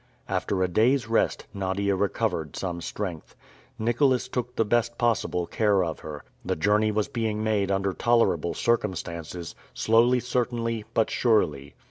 After a day's rest, Nadia recovered some strength. Nicholas took the best possible care of her. The journey was being made under tolerable circumstances, slowly certainly, but surely.